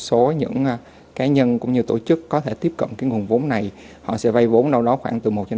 với những hình thức đất luật tìm ấn nhiều rủi ro phát sinh